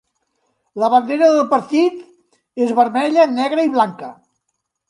La bandera del partit és vermella, negra i blanca.